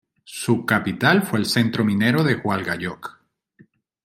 Su capital fue el centro minero de Hualgayoc.